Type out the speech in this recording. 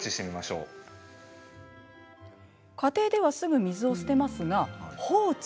家庭ではすぐ水を捨てますが放置。